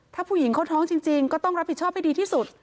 ถ้าผู้หญิงเขาท้องจริงก็ต้องรับผิดชอบให้ดีที่สุด